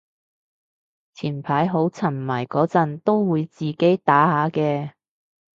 前排好沉迷嗰陣都會自己打下嘅